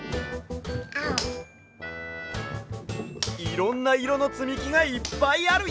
いろんないろのつみきがいっぱいあるＹＯ！